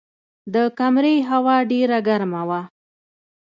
د کمرې هوا ډېره ګرمه وه.